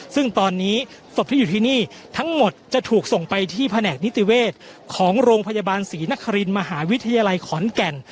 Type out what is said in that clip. ซึ่งตอนนี้ศพที่อยู่ที่นี่ทั้งหมดจะถูกส่งไปที่แผนกนิติเวศของโรงพยาบาลศรีนครินมหาวิทยาลัยขอนแก่น